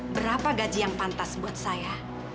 berapa gaji yang pantas buat saya